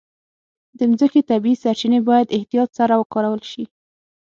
د مځکې طبیعي سرچینې باید احتیاط سره وکارول شي.